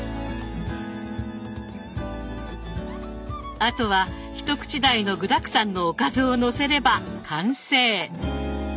あとは一口大の具だくさんのおかずをのせれば完成。